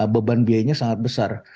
beban biayanya sangat besar